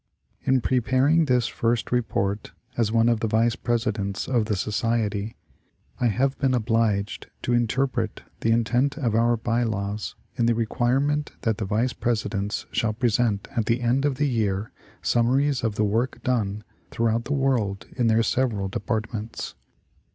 In preparing this first report as one of the vice presidents of the Society, I have been obliged to interpret the intent of our by laws in the requirement that the vice presidents shall present at the end of the year summaries of the work done throughout the world in their several departments.